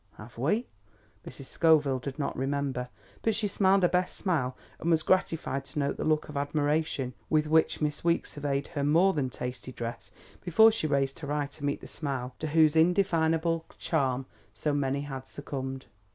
"Have we?" Mrs. Scoville did not remember, but she smiled her best smile and was gratified to note the look of admiration with which Miss Weeks surveyed her more than tasty dress before she raised her eyes to meet the smile to whose indefinable charm so many had succumbed.